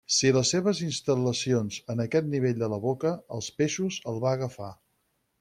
Si les seves instal·lacions en aquest nivell de la boca, els peixos el va agafar.